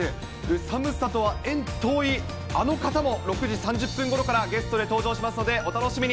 寒さとは縁遠い、あの方も６時３０分ごろからゲストで登場しますので、お楽しみに。